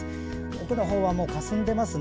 奥のほうはかすんでますね。